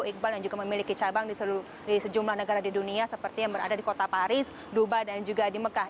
iqbal yang juga memiliki cabang di sejumlah negara di dunia seperti yang berada di kota paris dubai dan juga di mekah